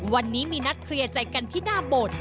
วันนี้มีนัดเคลียร์ใจกันที่หน้าโบสถ์